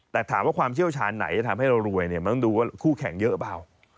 แต่ถามว่าความเชี่ยวชาญไหนจะทำให้เรารวยเนี่ยมันต้องดูว่าคู่แข่งเยอะเปล่า